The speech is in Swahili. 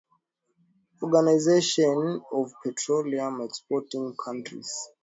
Organization of the Petroleum Exporting Countries